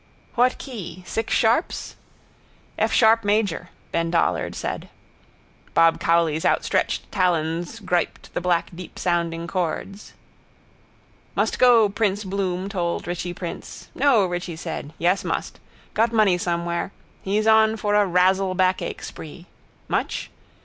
—What key? Six sharps? —F sharp major, Ben Dollard said. Bob Cowley's outstretched talons griped the black deepsounding chords. Must go prince Bloom told Richie prince. No, Richie said. Yes, must. Got money somewhere. He's on for a razzle backache spree. Much?